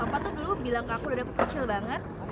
apa tuh dulu bilang ke aku dari aku kecil banget